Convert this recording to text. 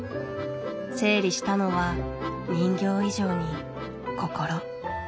整理したのは人形以上に心。